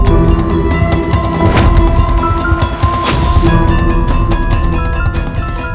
untuk menangkap ratu subang larang